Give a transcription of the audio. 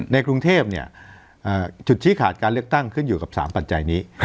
ในกรุงเทพจุดชี้ขาดการเลือกตั้งขึ้นอยู่กับ๓ปัจจัยนี้